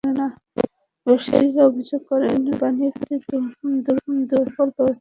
ব্যবসায়ীরা অভিযোগ করেন, বণিক সমিতির দুর্বল ব্যবস্থাপনায় বাজারে প্রায়ই চুরির ঘটনা ঘটছে।